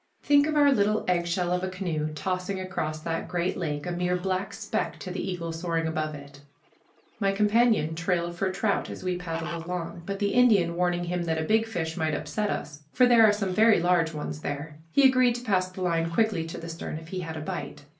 Think of our little eggshell of a canoe tossing across that great lake, a mere black speck to the eagle soaring above it! My companion trailed for trout as we paddled along, but, the Indian warning him that a big fish might upset us, for there are some very large ones there, he agreed to pass the line quickly to the stern if he had a bite.